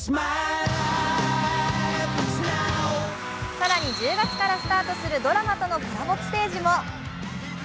更に１０月からスタートするドラマとのコラボステージも。